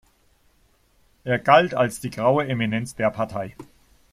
Er galt als die „graue Eminenz“ der Partei.